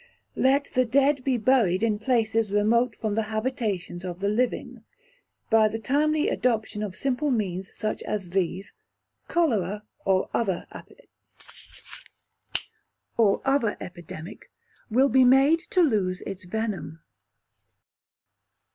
Let the Dead be buried in places remote from the habitations of the living. By the timely adoption of simple means such as these, cholera, or other epidemic, will be made to lose its venom.